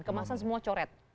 kemasan semua coret